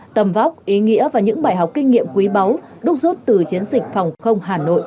tầm vóc ý nghĩa và những bài học kinh nghiệm quý báu đúc rút từ chiến dịch phòng không hà nội